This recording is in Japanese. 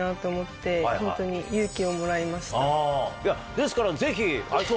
ですからぜひ。